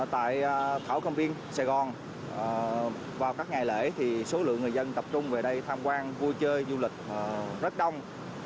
tại thảo cầm viên sài gòn vào các ngày lễ thì số lượng người dân tập trung về đây tham quan vui chơi du lịch rất đông